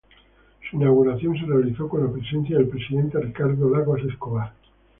Su inauguración se realizó con la presencia del presidente Ricardo Lagos Escobar.